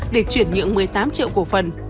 để chuyển nhượng một mươi tám triệu cổ phần